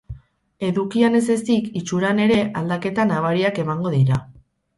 Edukian ez ezik, itxuran ere, aldaketa nabariak emango dira.